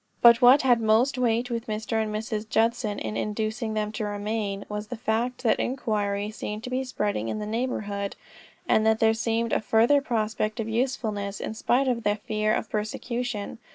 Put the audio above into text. But what had most weight with Mr. and Mrs. Judson in inducing them to remain, was the fact that inquiry seemed to be spreading in the neighborhood, and that there seemed a further prospect of usefulness, in spite of the fear of persecution.